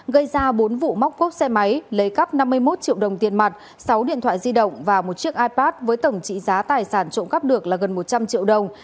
gây ra bốn vụ móc cốc xe máy lấy cắp năm mươi một triệu đồng tiền mặt sáu điện thoại di động và một chiếc ipad với tổng trị giá tài sản trộm cắp được là gần một trăm linh triệu đồng